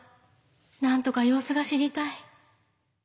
なんとか様子が知りたい。